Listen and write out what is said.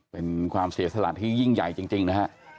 เป็นความเสียสละที่ยิ่งใหญ่จริงนะฮะ